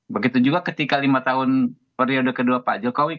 begitu juga ketika lima tahun periode kedua pak jokowi